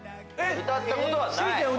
歌ったことはない！